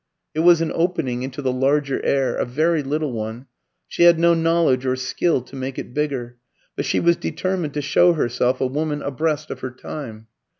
It was an opening into the larger air, a very little one; she had no knowledge or skill to make it bigger, but she was determined to show herself a woman abreast of her time.